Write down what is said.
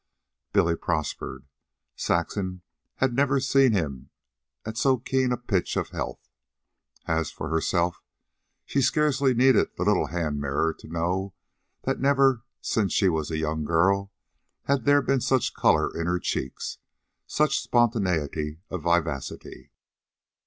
Billy prospered. Saxon had never seen him at so keen a pitch of health. As for herself, she scarcely needed the little hand mirror to know that never, since she was a young girl, had there been such color in her cheeks, such spontaneity of vivacity.